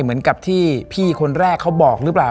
เหมือนกับที่พี่คนแรกเขาบอกหรือเปล่า